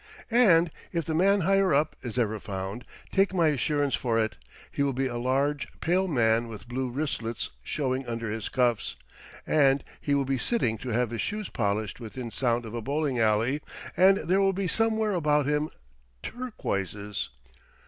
And, if the Man Higher Up is ever found, take my assurance for it, he will be a large, pale man with blue wristlets showing under his cuffs, and he will be sitting to have his shoes polished within sound of a bowling alley, and there will be somewhere about him turquoises.